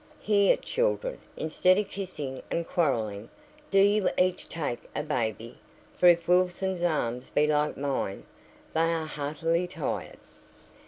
"Here, children, instead o' kissing and quarrelling, do ye each take a baby, for if Wilson's arms be like mine they are heartily tired."